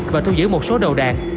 và thu giữ một số đầu đạn